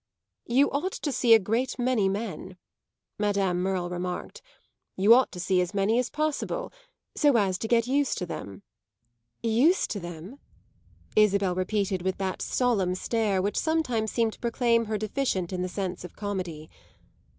"You ought to see a great many men," Madame Merle remarked; "you ought to see as many as possible, so as to get used to them." "Used to them?" Isabel repeated with that solemn stare which sometimes seemed to proclaim her deficient in the sense of comedy.